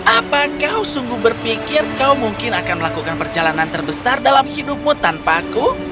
apa kau sungguh berpikir kau mungkin akan melakukan perjalanan terbesar dalam hidupmu tanpaku